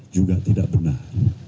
juga tidak benar